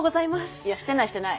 いやしてないしてない。